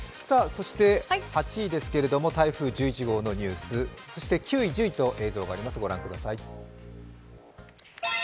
そして８位ですけど台風１１号のニュースそして９位、１０位と映像がありますので御覧ください。